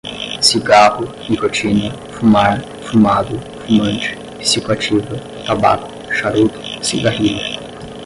cigarro, nicotina, fumar, fumado, fumante, psicoativa, tabaco, charuto, cigarrilha